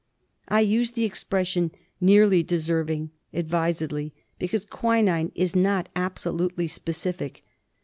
I use the expression "nearly deserving" advisedly, because quinine is not absolutely specific.